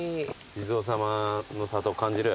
地蔵さまの郷を感じる？